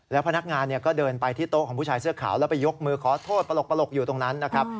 แล้วพนักงานก็เดินไปที่โต๊ะของผู้ชายเสื้อขาวแล้วไปยกมือขอโทษปลกอยู่ตรงนั้นนะครับ